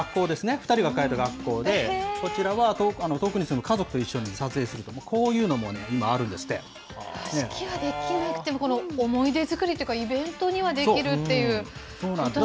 ２人が通った学校で、こちらは、遠くに住む家族と一緒に撮影するとかね、こういうのもね、今ある式ができなくても、思い出作りというか、イベントにはできるっていうことなんですね。